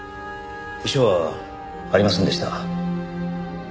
遺書はありませんでした。